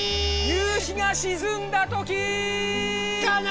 夕日が沈んだときー！